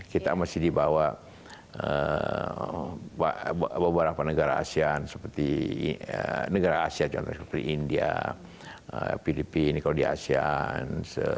kita masih dibawa beberapa negara asean seperti negara asean contohnya seperti india filipina kalau di asean